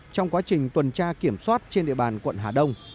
trong quá trình tuần tra kiểm soát trên địa bàn quận hà đông